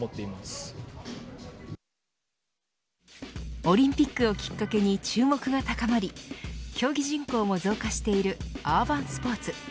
オリンピックをきっかけに注目が高まり競技人口も増加しているアーバンスポーツ。